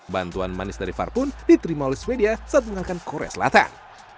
bantuan manis dari var pun diterima oleh sweden saat mengalahkan korea selatan